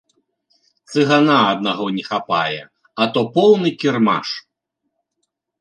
Цыгана аднаго не хапае, а то поўны кірмаш!